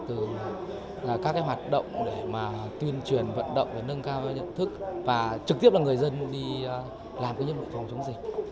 từ các cái hoạt động để mà tuyên truyền vận động và nâng cao nhận thức và trực tiếp là người dân đi làm cái nhiệm vụ phòng chống dịch